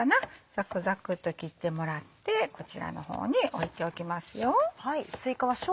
ザクザクっと切ってもらってこちらの方に置いておきますよ。